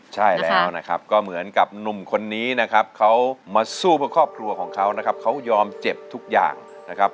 ใช่แล้วนะครับก็เหมือนกับหนุ่มคนนี้นะครับเขามาสู้เพื่อครอบครัวของเขานะครับเขายอมเจ็บทุกอย่างนะครับ